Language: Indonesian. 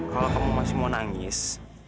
kalau kamu masih mau nangis